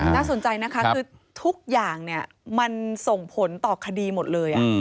น่าสนใจนะคะคือทุกอย่างมันส่งผลต่อคดีหมดเลย